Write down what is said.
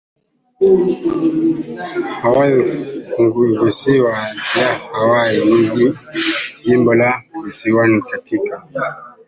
Hawaii Funguvisiwa ya Hawaii ni jimbo la visiwani katika